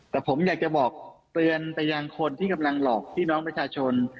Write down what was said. แต่ผมอยากจะบอกเตือนไปยังคนที่กำลังหลอกพี่น้องประชาชน